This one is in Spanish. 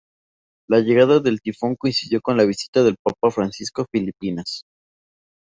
La llegada del tifón coincidió con la visita del papa Francisco a Filipinas.